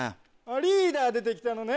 リーダー出て来たのね。